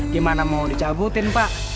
gimana mau dicabutin pak